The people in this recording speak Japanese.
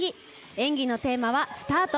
演技のテーマは「スタート」。